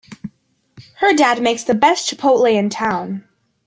Her dad makes the best chipotle in town!